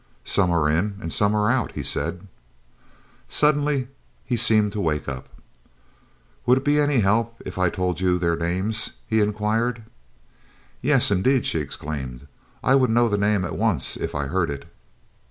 "Some are in and some are out," he said. Suddenly he seemed to wake up. "Would it be any help if I told you their names?" he inquired. "Yes, indeed," she exclaimed; "I would know the name at once if I heard it."